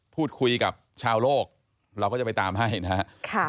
พูดคุยกับชาวโลกเราก็จะไปตามให้นะครับ